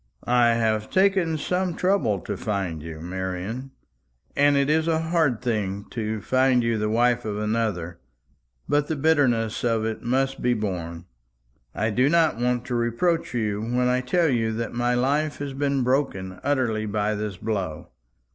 "I have taken some trouble to find you, Marian, and it is a hard thing to find you the wife of another; but the bitterness of it must be borne. I do not want to reproach you when I tell you that my life has been broken utterly by this blow.